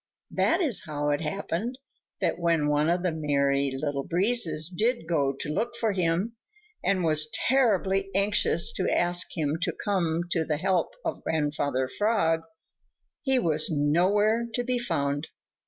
That is how it happened that when one of the Merry Little Breezes did go to look for him, and was terribly anxious to ask him to come to the help of Grandfather Frog, he was nowhere to be found.